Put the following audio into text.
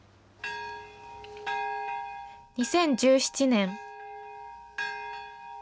２０１７年。